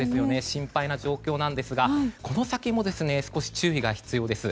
心配な状況なんですがこの先も注意が必要です。